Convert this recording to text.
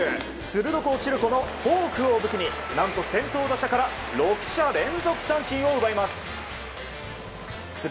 鋭く落ちるフォークを武器に何と先頭打者から６者連続三振を奪います。